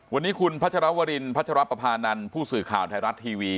วันนี้คุณพระเจ้ารับวรินพระเจ้ารับประพานันทร์ผู้สื่อข่าวไทยรัฐทีวี